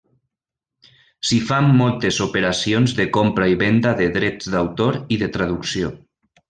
S'hi fan moltes operacions de compra i venda de drets d'autor i de traducció.